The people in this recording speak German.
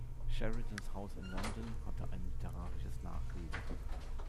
Sheridans Haus in London hatte ein literarisches Nachleben.